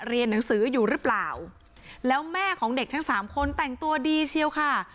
เรียนหนังสืออยู่หรือเปล่าแล้วแม่ของเด็กทั้งสามคนแต่งตัวดีเชียวค่ะ